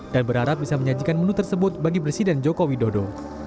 dan berharap bisa menyajikan menu tersebut bagi presiden joko widodo